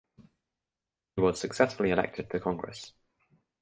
He was successfully elected to Congress.